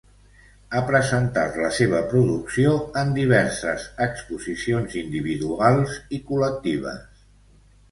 Ha presentat la seva producció en diverses exposicions individuals i col·lectives.